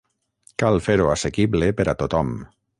Cal fer-ho assequible per a tothom.